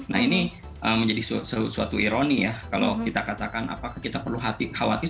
nah ini menjadi sesuatu ironi ya kalau kita katakan apakah kita perlu khawatir